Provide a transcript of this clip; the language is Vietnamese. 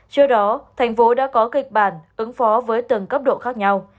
trước đó thành phố đã có kịch bản ứng phó với từng cấp độ khác nhau